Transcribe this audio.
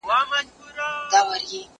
سره لمبه چي درته هر کلی او ښار دئ